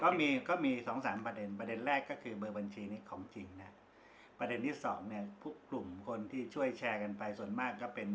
จะมีก็มี๒๓ประเด็นประเด็นแรกก็คือเบอร์บัญชีของจริงประเด็นนึง๒คนที่ช่วยแชร์กันไปส่วนมากก็เป็น